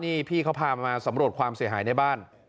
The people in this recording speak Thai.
นี่พี่เขาพามาสำรวจความเสียหายในบ้าน